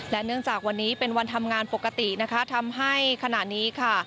และเนื่องจากวันนี้เป็นวันทำงานปกตินะคะทำให้ขณะนี้ค่ะ